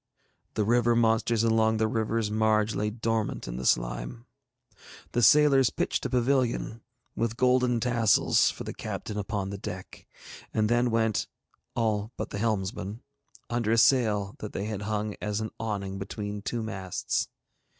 The river monsters along the river's marge lay dormant in the slime. The sailors pitched a pavilion, with golden tassels, for the captain upon the deck, and then went, all but the helmsman, under a sail that they had hung as an awning between two masts.